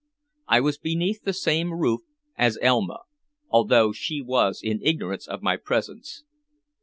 I was beneath the same roof as Elma, although she was in ignorance of my presence.